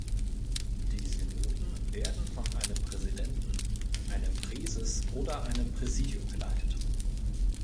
Die Synoden werden von einem Präsidenten, einem Präses oder einem Präsidium geleitet.